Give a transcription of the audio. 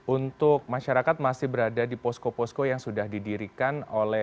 untuk masyarakat masih berada di posko posko yang sudah didirikan oleh